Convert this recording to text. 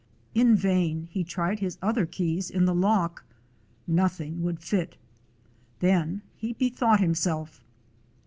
In vain he tried his other keys in the lock. Nothing would fit. Then he bethought him self.